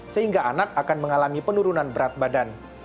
sehingga anak akan mengalami penurunan berat badan